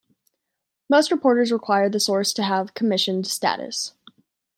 Most reporters require the source to have "commissioned status".